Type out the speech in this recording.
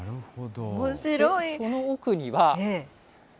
この奥には。